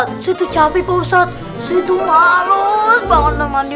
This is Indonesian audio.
ini kenapa geletakan begini